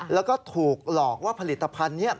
แล้วก็ถูกหลอกว่าผลิตภัณฑ์นี้